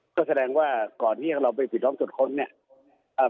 ก็แสดงว่าก่อนที่เราไปปิดล้อมตรวจค้นเนี่ย